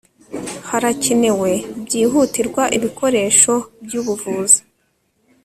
harakenewe byihutirwa ibikoresho byubuvuzi